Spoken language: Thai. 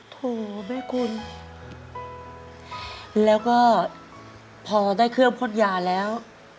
โถแม่คุณแล้วก็พอได้เครื่องพดยาแล้ว